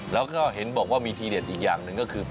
แล้วก็เห็นบอกว่ามีทีเด็ดอีกอย่างหนึ่งก็คือ